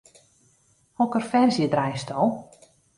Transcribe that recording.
Hokker ferzje draaisto?